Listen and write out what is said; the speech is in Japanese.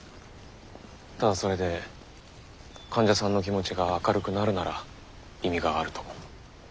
ただそれで患者さんの気持ちが明るくなるなら意味があると。